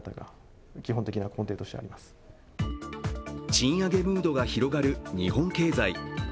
賃上げムードが広がる日本経済。